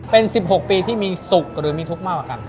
เป็น๑๖ปีที่มีสุขหรือมีทุกข์มากกว่ากัน